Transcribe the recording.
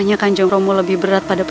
itu akan saya iot ke salam addresses